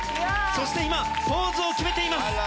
そして今ポーズを決めています。